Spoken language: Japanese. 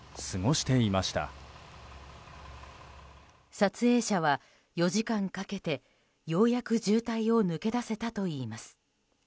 撮影者は４時間かけてようやく渋滞を抜け出せたといいます。